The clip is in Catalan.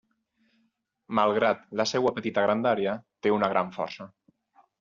Malgrat la seva petita grandària, té una gran força.